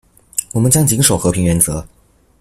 我們將謹守和平原則